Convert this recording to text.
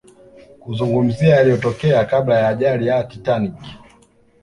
kuzungumzia yaliyotokea kabla ya ajali ya Titanic